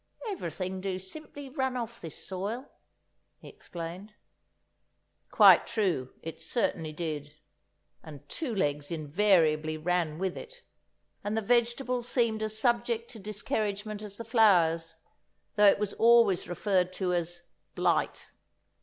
"Everything do simply run off this soil!" he explained. Quite true; it certainly did. And two legs invariably ran with it. And the vegetables seemed as subject to diskerridgement as the flowers, though it was always referred to as "blight."